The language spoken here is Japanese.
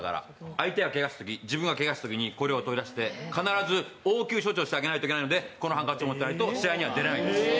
相手がけがをしたとき、自分がけがしたときにこれをー取り出して必ず応急処置をしてあげないといけないのでこのハンカチを持っていないと、試合には出られないんです。